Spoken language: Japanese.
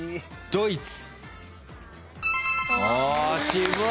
ドイツ。